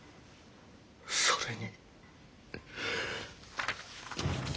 それに。